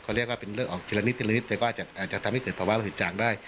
เขาเรียกว่าเป็นเลือดออกทีละนิดทีละนิดแต่ก็อาจจะทำให้เกิดภาวะโลหิตจางได้